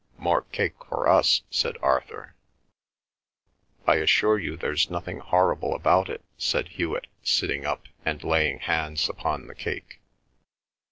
"More cake for us!" said Arthur. "I assure you there's nothing horrible about it," said Hewet, sitting up and laying hands upon the cake.